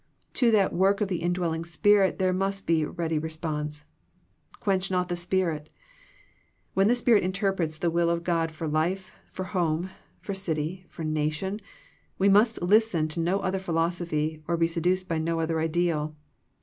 To that work of the indwelling Spirit there must be ready response. " Quench not the Spirit." When the Spirit interprets the will of God for life, for home, for city, for nation, we must listen to no other philosophy, be seduced by no other ideal.